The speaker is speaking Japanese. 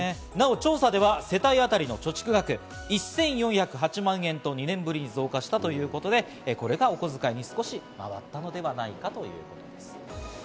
調査では世帯あたりの貯蓄額１４０８万円と２年ぶりに増加したということで、これがおこづかいに少し変わったのではないかということです。